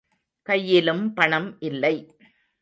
கையிலும் பணம் இல்லை.